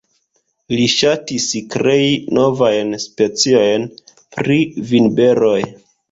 Li ŝatis krei novajn speciojn pri vinberoj.